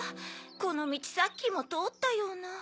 このみちさっきもとおったような。